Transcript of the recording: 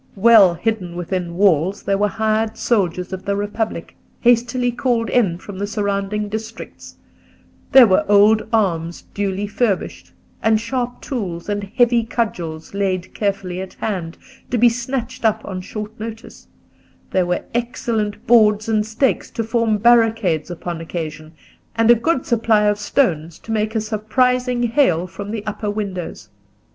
Well hidden within walls there were hired soldiers of the Republic, hastily called in from the surrounding districts; there were old arms duly furbished, and sharp tools and heavy cudgels laid carefully at hand, to be snatched up on short notice; there were excellent boards and stakes to form barricades upon occasion, and a good supply of stones to make a surprising hail from the upper windows.